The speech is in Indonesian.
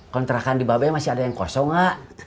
kontrakan di babay masih ada yang kosong gak